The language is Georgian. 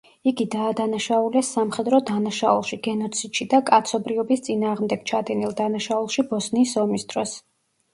იგი დაადანაშაულეს სამხედრო დანაშაულში, გენოციდში და კაცობრიობის წინააღმდეგ ჩადენილ დანაშაულში ბოსნიის ომის დროს.